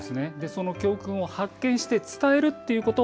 教訓を発見して伝えるということ